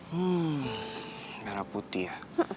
hmm merah putih ya